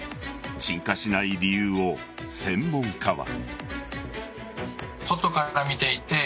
鎮火しない理由を、専門家は。